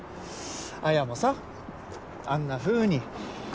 彩もさあんなふうに。